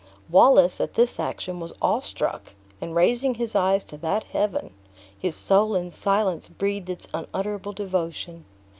Wallace, at this action, was awe struck, and raising his eyes to that Heaven, his soul in silence breathed its unutterable devotion.